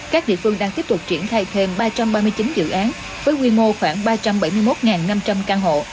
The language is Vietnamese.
các địa phương đang tiếp tục triển khai thêm ba trăm ba mươi chín dự án với quy mô khoảng ba trăm bảy mươi một năm trăm linh căn hộ